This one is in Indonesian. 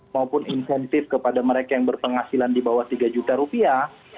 maupun insentif kepada mereka yang berpenghasilan di bawah tiga juta rupiah